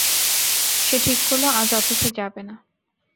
সে ঠিক করল, আজ অফিসে যাবে না।